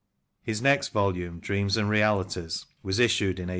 His next volume, " Dreams and Realities," was issued in 1847.